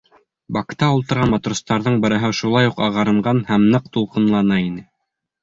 Бакта ултырған матростарҙың берәүһе шулай уҡ ағарынған һәм ныҡ тулҡынлана ине.